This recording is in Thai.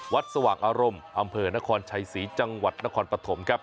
สว่างอารมณ์อำเภอนครชัยศรีจังหวัดนครปฐมครับ